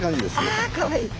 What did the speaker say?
あかわいい！